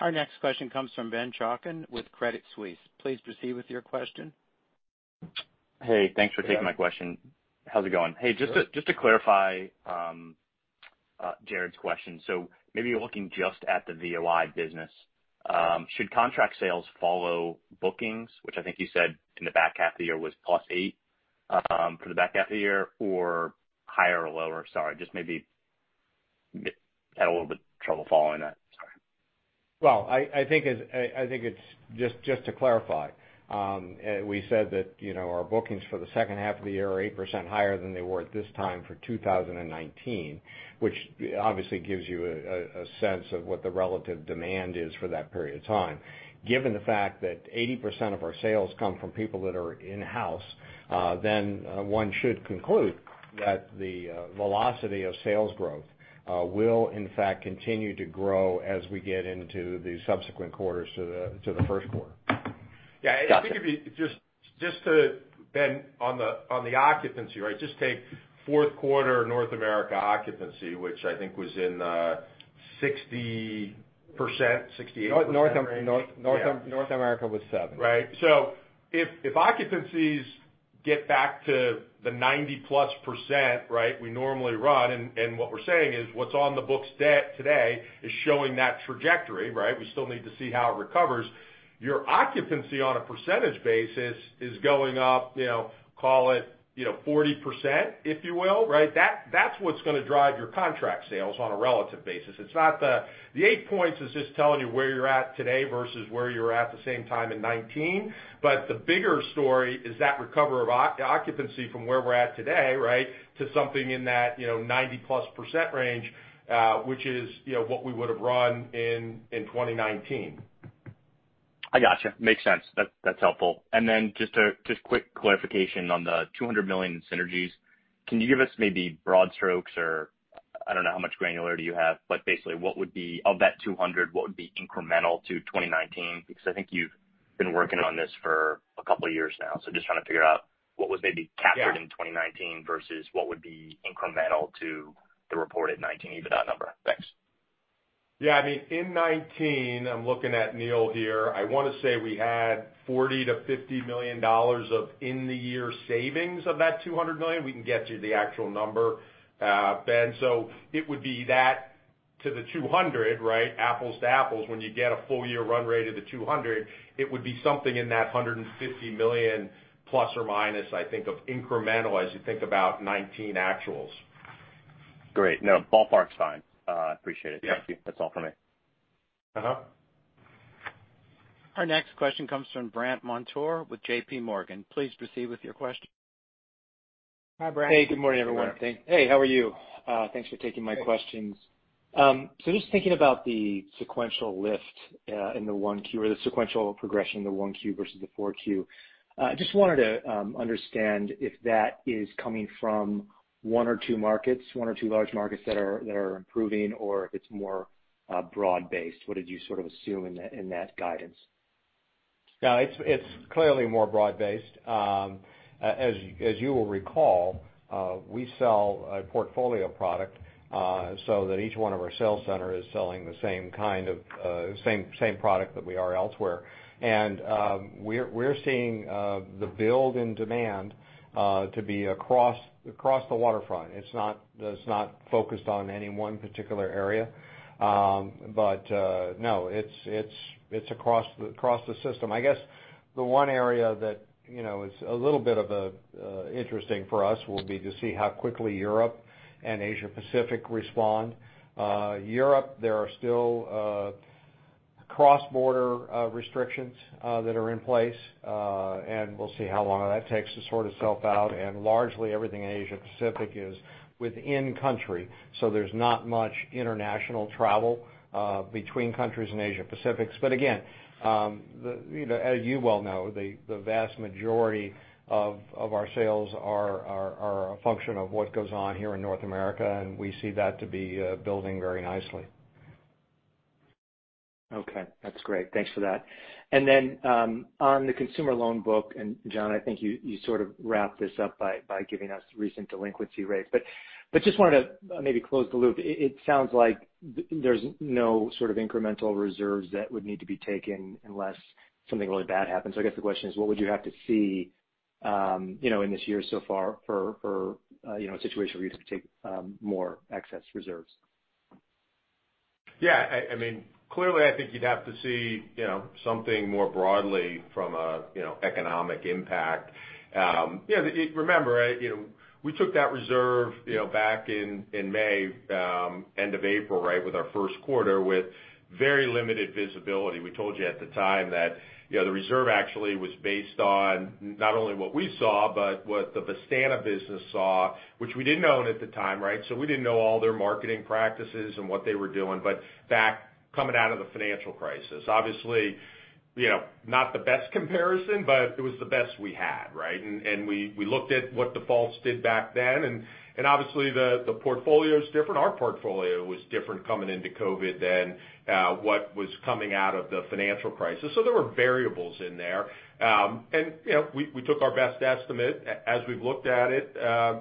Our next question comes from Ben Chaiken with Credit Suisse. Please proceed with your question. Hey, thanks for taking my question. How's it going? Good. Hey, just to clarify Jared's question. Maybe looking just at the VOI business. Should contract sales follow bookings, which I think you said in the back half of the year was plus 8%, for the back half of the year or higher or lower? Sorry, just maybe had a little bit of trouble following that. Sorry. Well, I think it's just to clarify. We said that our bookings for the second half of the year are 8% higher than they were at this time for 2019, which obviously gives you a sense of what the relative demand is for that period of time. Given the fact that 80% of our sales come from people that are in-house, one should conclude that the velocity of sales growth will in fact continue to grow as we get into the subsequent quarters to the first quarter. Got it. Yeah, I think, Ben, on the occupancy, right? Just take fourth quarter North America occupancy, which I think was in 60%-68% range. North America was 70%. If occupancies get back to the 90%-plus, right, we normally run, and what we're saying is what's on the books today is showing that trajectory, right? We still need to see how it recovers. Your occupancy on a percentage basis is going up, call it 40%, if you will, right? That's what's going to drive your contract sales on a relative basis. The 8 points is just telling you where you're at today versus where you were at the same time in 2019. The bigger story is that recovery of occupancy from where we're at today, right, to something in that 90%-plus range, which is what we would've run in 2019. I got you. Makes sense. That's helpful. Just quick clarification on the $200 million in synergies. Can you give us maybe broad strokes or I don't know how much granularity you have, but basically of that $200, what would be incremental to 2019? Because I think you've been working on this for a couple of years now. Just trying to figure out what was maybe captured in 2019 versus what would be incremental to the reported 2019 EBITDA number. Thanks. Yeah, in 2019, I'm looking at Neal here. I want to say we had $40 million-$50 million of in the year savings of that $200 million. We can get you the actual number, Ben. It would be that to the $200, right? Apples to apples. When you get a full year run rate of the $200, it would be something in that $150 million ±, I think, of incremental as you think about 2019 actuals. Great. Ballpark's fine. Appreciate it. Yeah. Thank you. That's all for me. Our next question comes from Brandt Montour with J.P. Morgan. Please proceed with your question. Hi, Brandt. Hey, good morning, everyone. Good morning. Hey, how are you? Thanks for taking my questions. Just thinking about the sequential lift in the 1Q or the sequential progression in the 1Q versus the 4Q. Just wanted to understand if that is coming from one or two markets, one or two large markets that are improving or if it's more broad-based. What did you sort of assume in that guidance? Yeah. It's clearly more broad-based. As you will recall, we sell a portfolio product so that each one of our sales center is selling the same product that we are elsewhere. We're seeing the build in demand to be across the waterfront. It's not focused on any one particular area. No, it's across the system. I guess the one area that is a little bit of interesting for us will be to see how quickly Europe and Asia Pacific respond. Europe, there are still cross-border restrictions that are in place. We'll see how long that takes to sort itself out. Largely everything in Asia Pacific is within country, so there's not much international travel between countries in Asia Pacific. Again, as you well know, the vast majority of our sales are a function of what goes on here in North America, and we see that to be building very nicely. Okay. That's great. Thanks for that. On the consumer loan book, John, I think you sort of wrapped this up by giving us recent delinquency rates. Just wanted to maybe close the loop. It sounds like there's no sort of incremental reserves that would need to be taken unless something really bad happens. I guess the question is, what would you have to see in this year so far for a situation where you have to take more excess reserves? Clearly, I think you'd have to see something more broadly from an economic impact. Remember, we took that reserve back in May, end of April with our first quarter, with very limited visibility. We told you at the time that the reserve actually was based on not only what we saw, but what the Vistana business saw, which we didn't own at the time. we didn't know all their marketing practices and what they were doing, but that coming out of the financial crisis, obviously not the best comparison, but it was the best we had. we looked at what defaults did back then, and obviously the portfolio is different. Our portfolio was different coming into COVID than what was coming out of the financial crisis. there were variables in there. we took our best estimate as we've looked at it.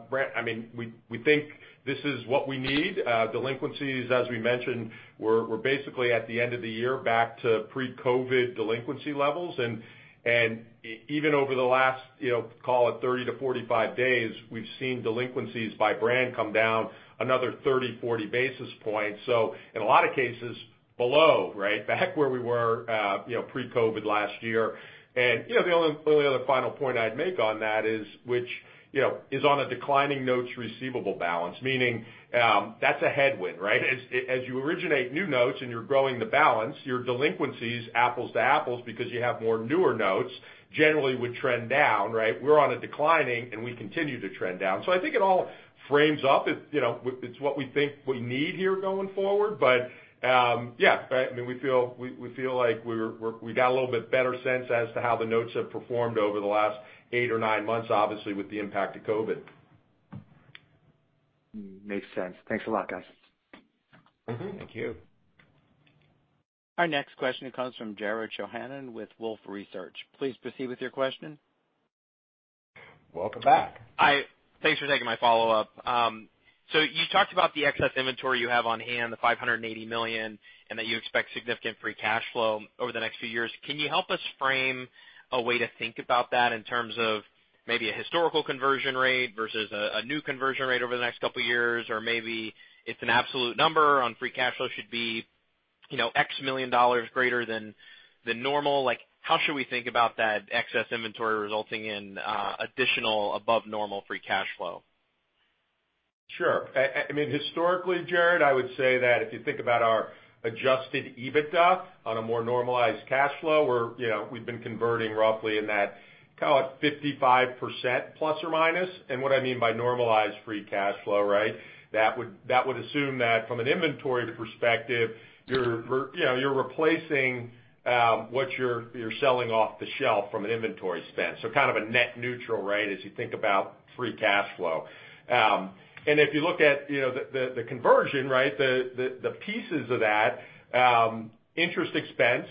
Brandt, we think this is what we need. Delinquencies, as we mentioned, were basically at the end of the year, back to pre-COVID delinquency levels. Even over the last, call it 30 to 45 days, we've seen delinquencies by brand come down another 30, 40 basis points. In a lot of cases below. Back where we were pre-COVID last year. The only other final point I'd make on that is, which is on a declining notes receivable balance, meaning that's a headwind. As you originate new notes and you're growing the balance, your delinquencies, apples to apples, because you have more newer notes, generally would trend down. We're on a declining, and we continue to trend down. I think it all frames up. It's what we think we need here going forward. Yeah. We feel like we got a little bit better sense as to how the notes have performed over the last eight or nine months, obviously with the impact of COVID. Makes sense. Thanks a lot, guys. Thank you. Our next question comes from Jared Shojaian with Wolfe Research. Please proceed with your question. Welcome back. Hi. Thanks for taking my follow-up. You talked about the excess inventory you have on hand, the $580 million, and that you expect significant free cash flow over the next few years. Can you help us frame a way to think about that in terms of maybe a historical conversion rate versus a new conversion rate over the next couple of years? Maybe it's an absolute number on free cash flow should be X million dollars greater than normal. How should we think about that excess inventory resulting in additional above normal free cash flow? Sure. Historically, Jared, I would say that if you think about our adjusted EBITDA on a more normalized cash flow, we've been converting roughly in that call it ±55%. What I mean by normalized free cash flow, that would assume that from an inventory perspective, you're replacing what you're selling off the shelf from an inventory spend. Kind of a net neutral as you think about free cash flow. If you look at the conversion, the pieces of that, interest expense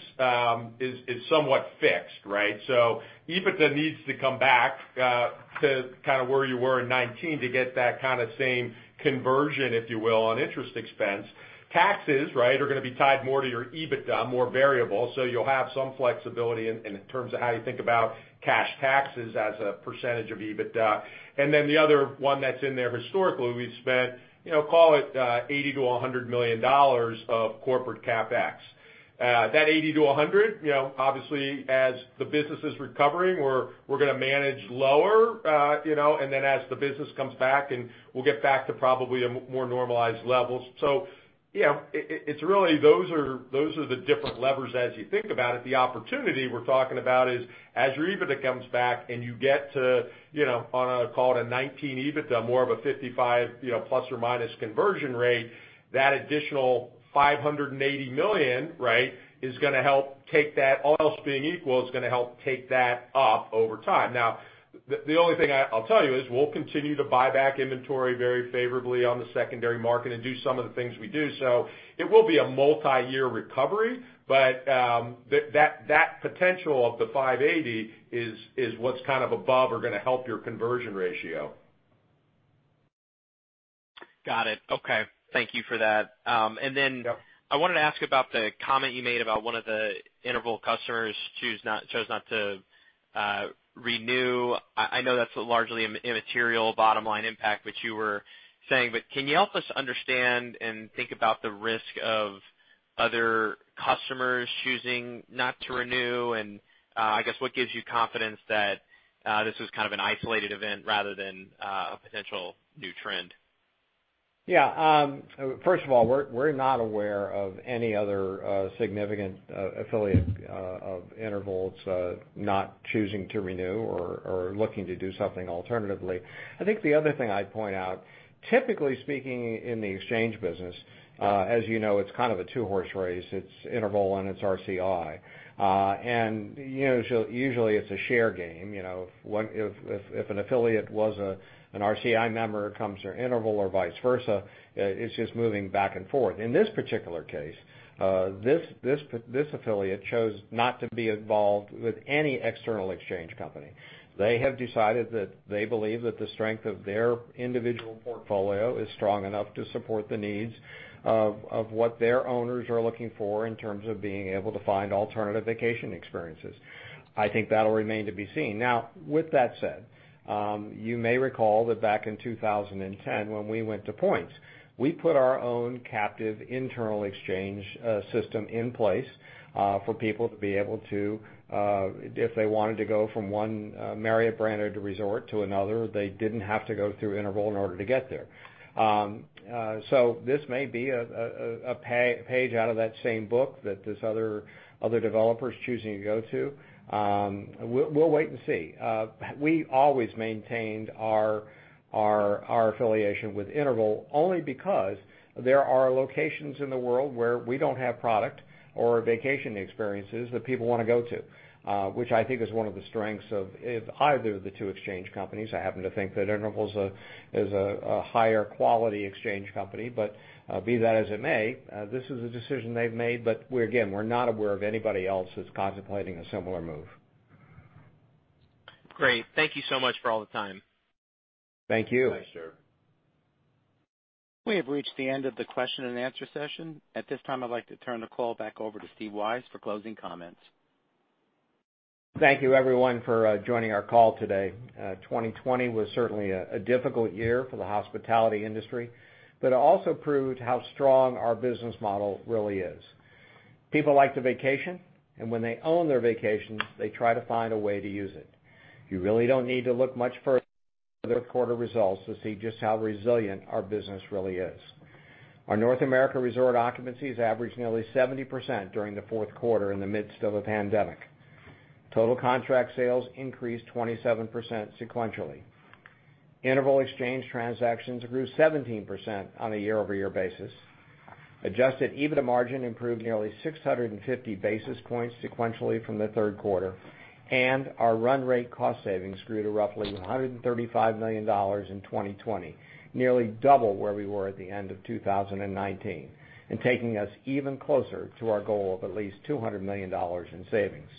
is somewhat fixed. EBITDA needs to come back to kind of where you were in 2019 to get that kind of same conversion, if you will, on interest expense. Taxes are going to be tied more to your EBITDA, more variable. You'll have some flexibility in terms of how you think about cash taxes as a % of EBITDA. The other one that's in there historically, we've spent call it $80 million-$100 million of corporate CapEx. That 80 to 100, obviously, as the business is recovering, we're going to manage lower, and then as the business comes back, we'll get back to probably a more normalized level. It's really, those are the different levers as you think about it. The opportunity we're talking about is as your EBITDA comes back and you get to on a call it a 19 EBITDA, more of a 55± conversion rate, that additional $580 million, right, all else being equal, is going to help take that up over time. The only thing I'll tell you is we'll continue to buy back inventory very favorably on the secondary market and do some of the things we do. It will be a multi-year recovery, but that potential of the 580 is what's above or going to help your conversion ratio. Got it. Okay. Thank you for that. Yep. I wanted to ask about the comment you made about one of the Interval customers chose not to renew. I know that's a largely immaterial bottom line impact, but you were saying, can you help us understand and think about the risk of other customers choosing not to renew? I guess, what gives you confidence that this was kind of an isolated event rather than a potential new trend? First of all, we're not aware of any other significant affiliate of Interval's not choosing to renew or looking to do something alternatively. I think the other thing I'd point out, typically speaking in the exchange business, as you know, it's kind of a two-horse race. It's Interval and it's RCI. Usually it's a share game. If an affiliate was an RCI member comes through Interval or vice versa, it's just moving back and forth. In this particular case, this affiliate chose not to be involved with any external exchange company. They have decided that they believe that the strength of their individual portfolio is strong enough to support the needs of what their owners are looking for in terms of being able to find alternative vacation experiences. I think that'll remain to be seen. With that said, you may recall that back in 2010, when we went to points, we put our own captive internal exchange system in place for people to be able to if they wanted to go from one Marriott branded resort to another, they didn't have to go through Interval in order to get there. This may be a page out of that same book that this other developer is choosing to go to. We'll wait and see. We always maintained our affiliation with Interval only because there are locations in the world where we don't have product or vacation experiences that people want to go to, which I think is one of the strengths of either of the two exchange companies. I happen to think that Interval is a higher quality exchange company. Be that as it may, this is a decision they've made. Again, we're not aware of anybody else that's contemplating a similar move. Great. Thank you so much for all the time. Thank you. Thanks, sir. We have reached the end of the question and answer session. At this time, I'd like to turn the call back over to Steve Weisz for closing comments. Thank you everyone for joining our call today. 2020 was certainly a difficult year for the hospitality industry, but it also proved how strong our business model really is. People like to vacation, and when they own their vacations, they try to find a way to use it. You really don't need to look much further than our third quarter results to see just how resilient our business really is. Our North America resort occupancies averaged nearly 70% during the fourth quarter in the midst of a pandemic. Total contract sales increased 27% sequentially. Interval exchange transactions grew 17% on a year-over-year basis. Adjusted EBITDA margin improved nearly 650 basis points sequentially from the third quarter. Our run rate cost savings grew to roughly $135 million in 2020, nearly double where we were at the end of 2019 and taking us even closer to our goal of at least $200 million in savings.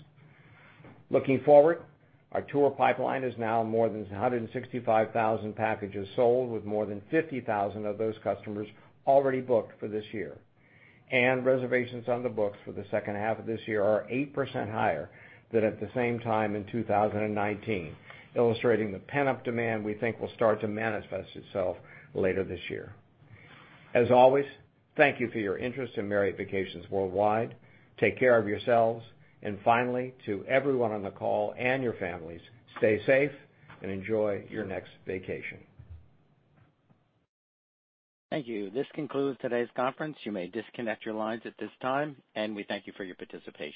Looking forward, our tour pipeline is now more than 165,000 packages sold, with more than 50,000 of those customers already booked for this year. Reservations on the books for the second half of this year are 8% higher than at the same time in 2019, illustrating the pent-up demand we think will start to manifest itself later this year. As always, thank you for your interest in Marriott Vacations Worldwide. Take care of yourselves. Finally, to everyone on the call and your families, stay safe and enjoy your next vacation. Thank you. This concludes today's conference. You may disconnect your lines at this time, and we thank you for your participation.